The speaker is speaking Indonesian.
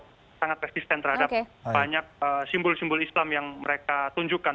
tapi mereka juga sangat persisten terhadap banyak simbol simbol islam yang mereka tunjukkan